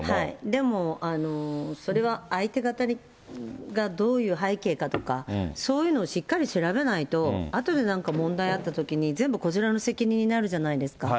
でも、それは相手方がどういう背景かとか、そういうのをしっかり調べないと、あとでなんか問題あったときに、全部こちらの責任になるじゃないですか。